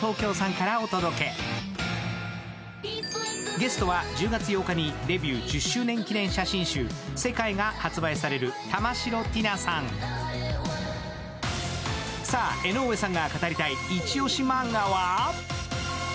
ゲストは１９月８日にデビュー１０周年記念写真集、「世界」が発売される玉城ティナさん。